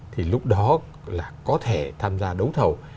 thì lúc đó là có thể tham gia đấu thầu